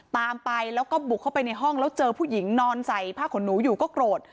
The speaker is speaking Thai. ตามไปแล้วก็บุกเข้าไปในห้องแล้วเจอผู้หญิงนอนใส่ผ้าขนหนูอยู่ก็โกรธ